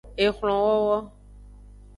Exlonwowo.